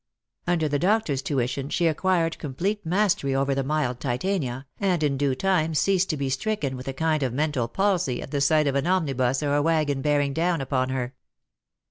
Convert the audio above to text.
Under the doctor's tuition she acquired complete mastery over the mild Titania, and in due time ceased to be stricken with a kind of mental palsy at the sight of an omnibus or a waggon bearing down upon her.